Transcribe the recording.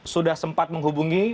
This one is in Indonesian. sudah sempat menghubungi